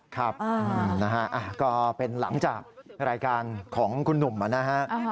ครับนะฮะก็เป็นหลังจากรายการของคุณหนุ่มนะฮะ